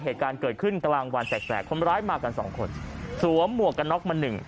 เหตุการณ์เกิดขึ้นกลางวันแสกคนร้ายมากันสองคนสวมหมวกกันน็อกมาหนึ่ง